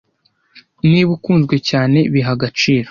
niba ukunzwe cyane bihe agaciro